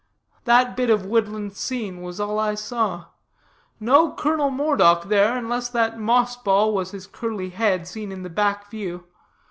That bit of woodland scene was all I saw. No Colonel Moredock there, unless that moss ball was his curly head, seen in the back view.